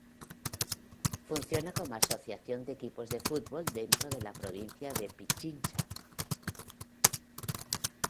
Funciona como asociación de equipos de fútbol dentro de la Provincia de Pichincha.